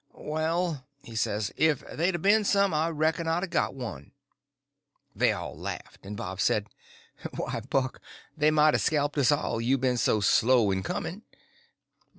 "Well," he says, "if they'd a ben some, I reckon I'd a got one." They all laughed, and Bob says: "Why, Buck, they might have scalped us all, you've been so slow in coming."